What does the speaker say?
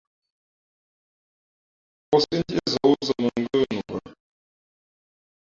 Pō siʼ ndí zᾱ wúzᾱ mᾱ ngə́ nu bᾱ.